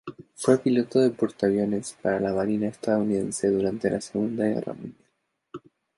Fue piloto de portaaviones para la marina estadounidense durante la Segunda Guerra Mundial.